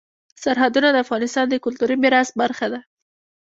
سرحدونه د افغانستان د کلتوري میراث برخه ده.